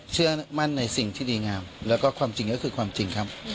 เชื่อมั่นในสิ่งที่ดีงามแล้วก็ความจริงก็คือความจริงครับ